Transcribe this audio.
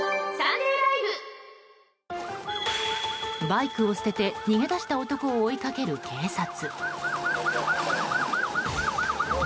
バイクを捨てて逃げ出した男を追いかける警察。